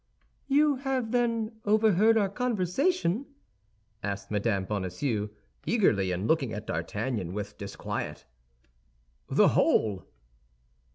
"You have, then, overheard our conversation?" asked Mme. Bonacieux, eagerly, and looking at D'Artagnan with disquiet. "The whole."